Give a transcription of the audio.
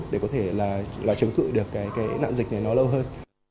để có thể là chống cự được cái nạn dịch này nó lâu hơn